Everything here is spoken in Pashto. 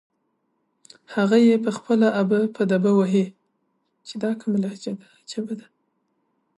هغه يې په خپله ابه په دبه وهي.